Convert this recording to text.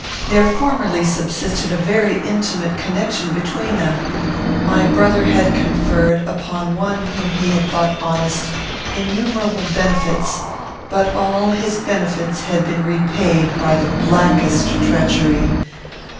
There formerly subsisted a very intimate connection between them. My brother had conferred, upon one whom he thought honest, innumerable benefits; but all his benefits had been repaid by the blackest treachery.